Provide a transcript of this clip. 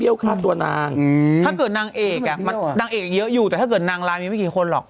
ฆ่าตัวนางถ้าเกิดนางเอกอ่ะมันนางเอกเยอะอยู่แต่ถ้าเกิดนางร้ายมีไม่กี่คนหรอก